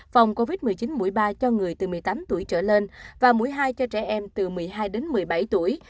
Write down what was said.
phòng covid một mươi chín mũi ba cho người từ một mươi tám tuổi trở lên và mũi hai cho trẻ em từ một mươi hai đến một mươi bảy tuổi